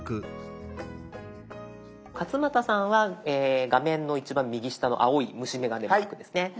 勝俣さんは画面の一番右下の青い虫眼鏡マークですね。